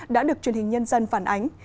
đã được truyền hình nhân dân phản ánh